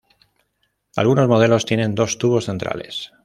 Algunos modelos tienen dos tubos centrales.